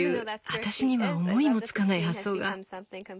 私には思いもつかない発想が。